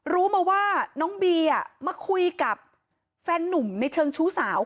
รู้มาว่าน้องบีมาคุยกับแฟนนุ่มในเชิงชู้สาว